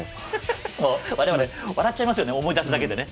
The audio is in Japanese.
まあでもね笑っちゃいますよね思い出すだけでね。